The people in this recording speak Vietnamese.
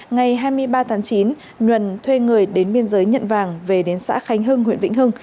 ngày hai mươi ba tháng chín nhuần thuê người đến biên giới nhận vàng về đến xã khánh hưng huyện vĩnh hưng